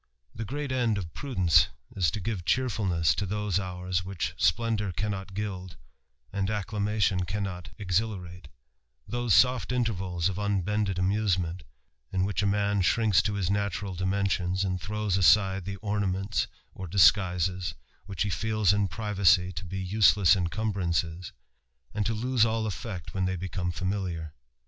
The great end of prudence is to give cheerfuhiess to tliose hours which splendour cannot gild, and acclamation caniioi exhilarate ; those sofl intervals of unbended amusemeDt, b) which a man shrinks to his natural dimensions, and throws aside the ornaments or disguisesj which he feels in privacy to be useless incumbrances, and to lose all effect when they become familiar.